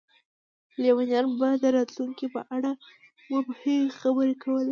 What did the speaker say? لیونیان به د راتلونکي په اړه مبهمې خبرې کولې.